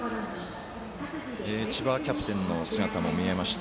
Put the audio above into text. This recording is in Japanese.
千葉キャプテンの姿も見えました。